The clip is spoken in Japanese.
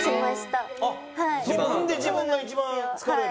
自分で自分が一番疲れる？